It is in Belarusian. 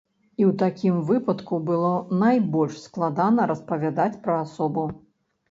І ў такім выпадку было найбольш складана распавядаць пра асобу.